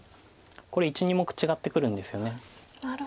これ１２目違ってくるんですよね。